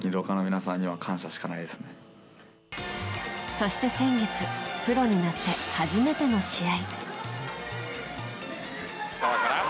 そして先月プロになって初めての試合。